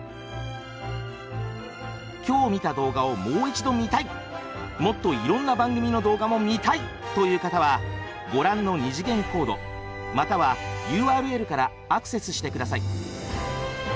今日見た動画をもう一度見たいもっといろんな番組の動画も見たいという方はご覧の二次元コードまたはＵＲＬからアクセスして下さい。